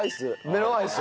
メロンアイス。